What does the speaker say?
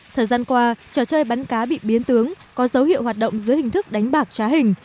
thời gian qua trò chơi bắn cá bị biến tướng có dấu hiệu hoạt động dưới hình thức đánh bạc trá hình